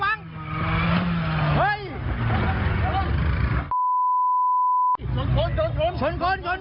กระทั่งตำรวจก็มาด้วยนะคะ